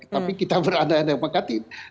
tapi kita berada di makati